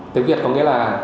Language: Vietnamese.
tiếng việt có nghĩa là